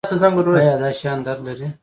ایا دا شیان درد لري؟